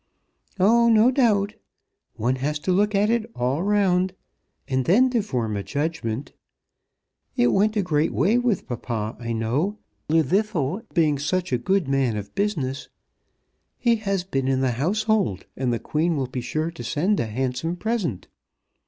"Oh, no doubt! One has to look at it all round, and then to form a judgment. It went a great way with papa, I know, Llwddythlw being such a good man of business. He has been in the Household, and the Queen will be sure to send a handsome present.